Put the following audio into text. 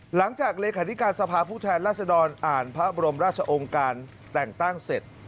หลังจากเลขาธิการสภาพผู้แทนราษดรอ่านพระบรมราชองค์การแต่งตั้งเสร็จ